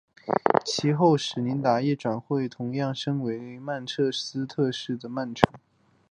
其后史达宁亦转会至同样身在曼彻斯特市的曼城。